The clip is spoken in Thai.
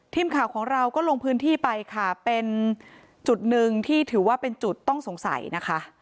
ทีมข่าวของเราก็ลงพื้นที่ไปค่ะเป็นจุดหนึ่งที่ถือว่าเป็นจุดต้องสงสัยนะคะ